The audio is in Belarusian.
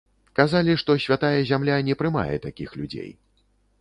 Казалі, што святая зямля не прымае такіх людзей.